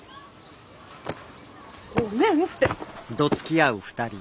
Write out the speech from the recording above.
ごめんって。